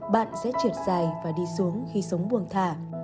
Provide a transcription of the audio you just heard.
bạn sẽ trượt dài và đi xuống khi sống buồng thả